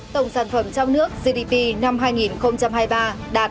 tổng sản phẩm trong nước gdp năm hai nghìn hai mươi ba đạt năm năm